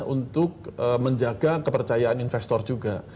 untuk menjaga kepercayaan investor juga